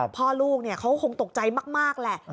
พ่อลูกเขาคงตกใจมากแหละ